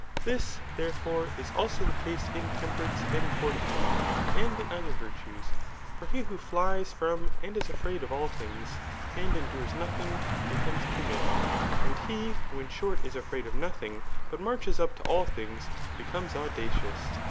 This, therefore, is also the case ia temperance and fortitude, and the other virtues. For he who flies from and is afraid of all things, and endures aothing, becomes timid ; and he who in short is afraid of nothing, but marches up to all things, becomes auda doos.